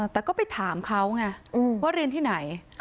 แต่ก็ไปถามเขาไงว่าเรียนที่ไหน